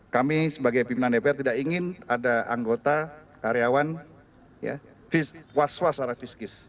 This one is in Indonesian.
kami sebagai pembinaan dpr tidak ingin ada anggota karyawan was was secara fisikis